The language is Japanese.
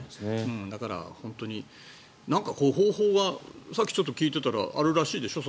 だから、本当に方法はさっきちょっと聞いてたらあるらしいでしょ。